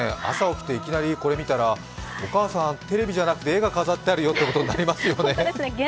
朝、起きていきなりこれ見たらお母さん、テレビじゃなくて絵が飾ってあるよということになりますね。